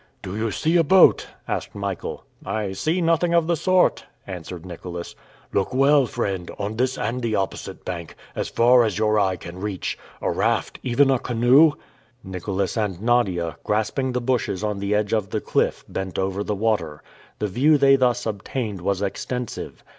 "Do you see a boat?" asked Michael. "I see nothing of the sort," answered Nicholas. "Look well, friend, on this and the opposite bank, as far as your eye can reach. A raft, even a canoe?" Nicholas and Nadia, grasping the bushes on the edge of the cliff, bent over the water. The view they thus obtained was extensive.